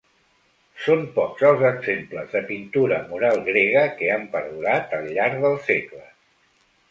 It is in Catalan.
Són pocs els exemples de pintura mural grega que han perdurat al llarg dels segles.